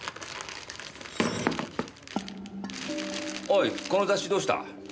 おいこの雑誌どうした？